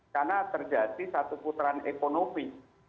karena terjadi satu putaran ekonomi